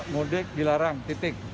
mudik dilarang titik